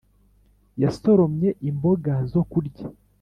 yasoromye imboga zo kurya.